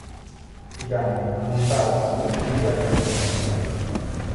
I danni ammontarono a molti miliardi di dollari.